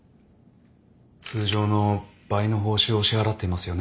通常の倍の報酬を支払っていますよね。